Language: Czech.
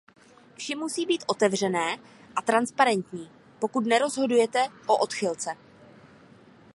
Vše musí být otevřené a transparentní, pokud nerozhodujete o odchylce.